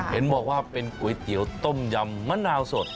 เห็นบอกว่าเป็นก๋วยเตี๋ยวต้มยำมะนาวสด